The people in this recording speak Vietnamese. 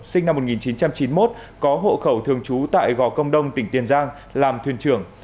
sinh năm một nghìn chín trăm chín mươi một có hộ khẩu thường trú tại gò công đông tỉnh tiền giang làm thuyền trưởng